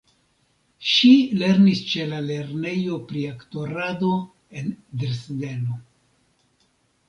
Ŝi lernis ĉe la lernejo pri aktorado en Dresdeno.